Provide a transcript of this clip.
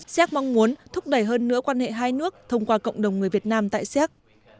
xéc mong muốn thúc đẩy hơn nữa quan hệ hai nước thông qua cộng đồng người việt nam tại séc